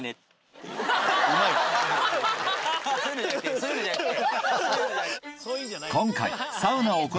そういうのじゃなくて。